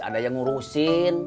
ada yang ngurusin